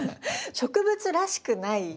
植物らしくない？